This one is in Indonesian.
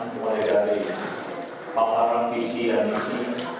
mulai dari paparan visi dan misi